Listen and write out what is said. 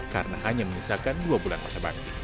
dan juga akan diserahkan dua bulan masa bagi